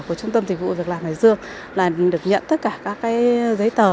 của trung tâm thị vụ việc làm hải dương là được nhận tất cả các cái giấy tờ